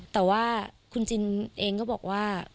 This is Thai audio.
แต่ว่าคุณจินเองก็บอกว่า